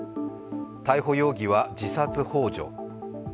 逮捕容疑は自殺ほう助。